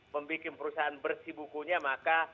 membuat perusahaan bersih bukunya maka